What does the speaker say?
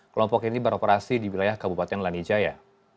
kelompok ini beroperasi di wilayah kabupaten lanijaya